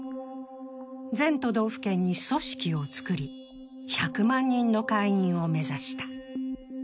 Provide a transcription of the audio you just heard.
全都道府県に組織を作り１００万人の会員を目指した。